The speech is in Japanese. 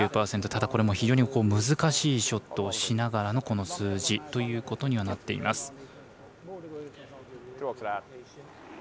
ただ、これも非常に難しいショットをしながらのこの数字ということにはなっています。